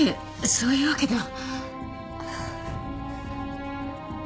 そういうわけでは。